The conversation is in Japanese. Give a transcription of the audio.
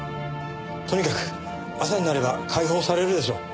とにかく朝になれば解放されるでしょう。